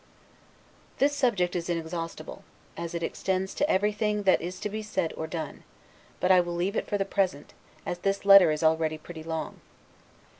This subject is inexhaustible, as it extends to everything that is to be said or done: but I will leave it for the present, as this letter is already pretty long.